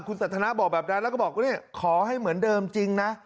คุณสันทนาบอกแบบนั้นแล้วก็บอกว่าขอให้เหมือนเดิมจริงนะ